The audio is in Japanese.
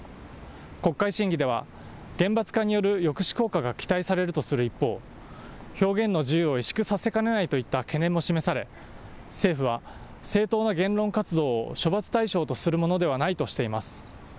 国会審議では厳罰化による抑止効果が期待されるとする一方、表現の自由を萎縮させかねないといった懸念も示され政府は正当な言論活動を処罰対象とするものではないとしています。